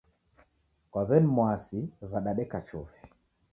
Kwa w'eni Mwasi wadadeka chofi.